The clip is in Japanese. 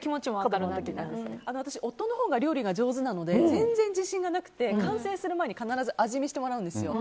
私、夫のほうが料理が上手で全然自信がなくて、完成する前に必ず味見してもらうんですよ。